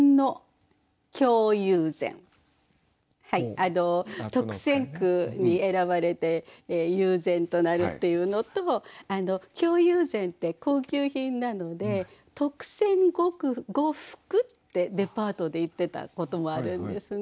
あの特選句に選ばれて悠然となるっていうのと京友禅って高級品なので特選呉服ってデパートで言ってたこともあるんですね。